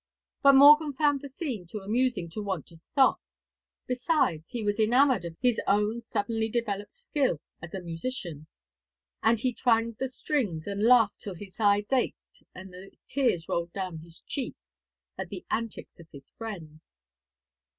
But Morgan found the scene too amusing to want to stop; besides, he was enamoured of his own suddenly developed skill as a musician; and he twanged the strings and laughed till his sides ached and the tears rolled down his cheeks, at the antics of his friends.